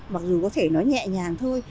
mặc dù có thể nói nhẹ nhàng thôi